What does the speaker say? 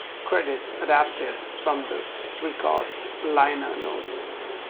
Credits adapted from the records' liner notes.